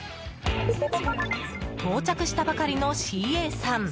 到着したばかりのＣＡさん。